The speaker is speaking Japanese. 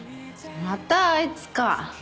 またあいつか。